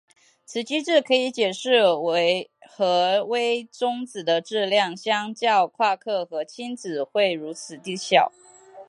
此机制可以解释为何微中子的质量相较夸克和轻子会如此地小。